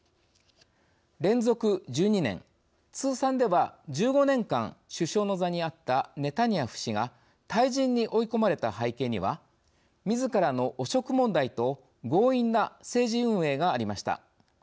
連続１２年、通算では１５年間首相の座にあったネタニヤフ氏が退陣に追い込まれた背景にはみずからの汚職問題と強引な政治運営がありました。